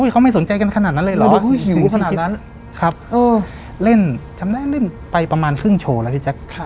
เขาไม่สนใจกันขนาดนั้นเลยหรอหิวขนาดนั้นครับเล่นไปประมาณครึ่งโชว์แล้วพี่แจ๊ค